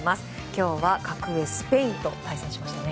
今日は格上スペインと対戦しましたね。